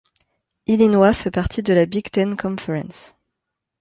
Illinois fait partie de la Big Ten Conference.